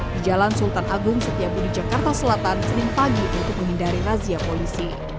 di jalan sultan agung setiabudi jakarta selatan senin pagi untuk menghindari razia polisi